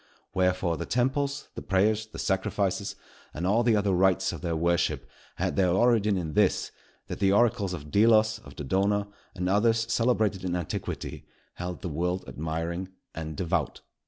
Wherefore the temples, the prayers, the sacrifices, and all the other rites of their worship, had their origin in this, that the oracles of Delos, of Dodona, and others celebrated in antiquity, held the world admiring and devout.